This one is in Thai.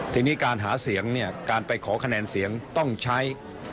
ทีนี้การหาเสียงเนี่ยการไปขอคะแนนเสียงต้องใช้